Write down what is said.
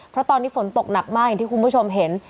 เพราะตอนนี้ฝนตกหนักมากอย่างที่คุณผู้ชมเห็น